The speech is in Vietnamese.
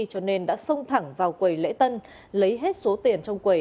cho nên đã xông thẳng vào quầy lễ tân lấy hết số tiền trong quầy